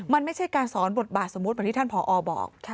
มันไม่ใช่การสอนบทบาทสมมุติเหมือนที่ท่านผอบอก